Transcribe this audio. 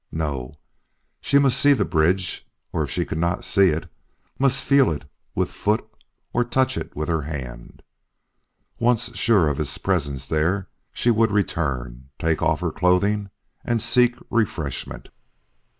No, she must see the bridge, or if she could not see it, must feel it with her foot or touch it with her hand. Once sure of its presence there, she would return, take off her clothing and seek refreshment.